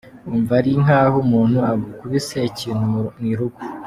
"Wumva ari nkaho umuntu agukubise ikintu mu irugu.